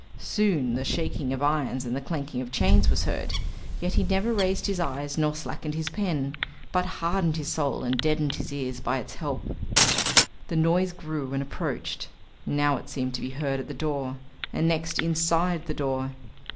Soon the shaking of irons and the clanking of chains was heard, yet he never raised his eyes nor slackened his pen, but hardened his soul and deadened his ears by its help. The noise grew and approached: now it seemed to be heard at the door, and next inside the door.